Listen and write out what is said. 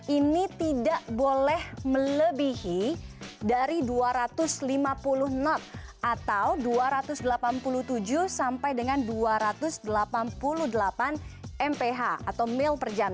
ini tidak boleh melebihi dari dua ratus lima puluh knot atau dua ratus delapan puluh tujuh sampai dengan dua ratus delapan puluh delapan mph atau mil per jam